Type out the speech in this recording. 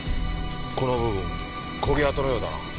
この部分焦げ跡のようだな。